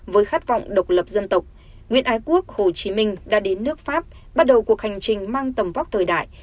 với khát vọng độc lập dân tộc nguyễn ái quốc hồ chí minh đã đến nước pháp bắt đầu cuộc hành trình mang tầm vóc thời đại